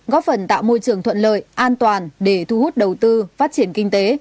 góp phần tạo môi trường thuận lợi an toàn để thu hút đầu tư phát triển kinh tế